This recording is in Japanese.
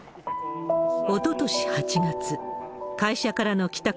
おととし８月、会社からの帰宅